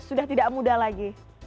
sudah tidak muda lagi